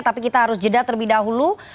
tapi kita harus jeda terlebih dahulu